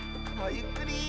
ゆっくり！